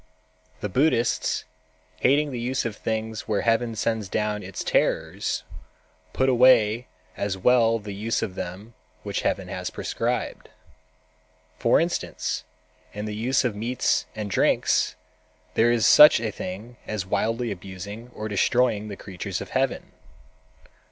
The Buddhists, hating the use of things where Heaven sends down its terrors, put away as well the use of them which Heaven has prescribed. "For instance, in the use of meats and drinks, there is such a thing as wildly abusing and destroying the creatures of Heaven.